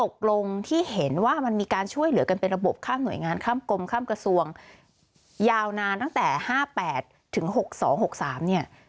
ข้ามกระทรวงยาวนานตั้งแต่๕๘ถึง๖๒๖๓เนี่ย